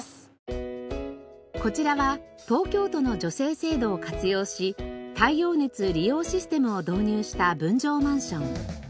こちらは東京都の助成制度を活用し太陽熱利用システムを導入した分譲マンション。